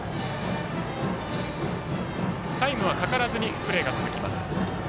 タイムはかからずにプレーが続きます。